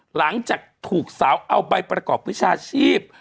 หลังจากถูกสาวเอาใบประกอบวิชาชีพ